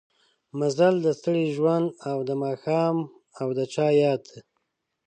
مزل د ستړي ژوند او دا ماښام او د چا ياد